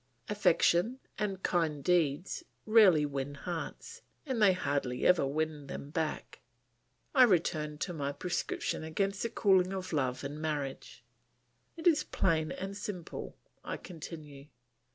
Affection and kind deeds rarely win hearts, and they hardly ever win them back. I return to my prescription against the cooling of love in marriage. "It is plain and simple," I continue.